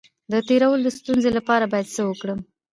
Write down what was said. د تیرولو د ستونزې لپاره باید څه وکړم؟